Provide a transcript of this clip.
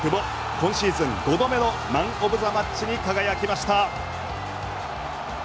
今シーズン５度目のマン・オブ・ザ・マッチに輝きました。